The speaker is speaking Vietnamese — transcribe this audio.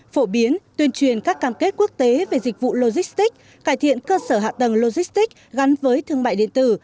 phổ biến tuyên truyền các cam kết quốc tế về dịch vụ logistics cải thiện cơ sở hạ tầng logistics gắn với thương mại điện tử